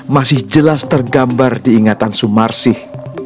masih jelas tergambar diingatan sumarsih